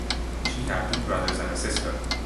She had two brothers and a sister.